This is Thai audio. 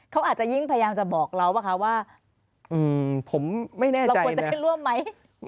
เขาอาจจะยิ่งพยายามจะบอกเราว่าเราควรจะขึ้นร่วมไหมหรืออย่างไร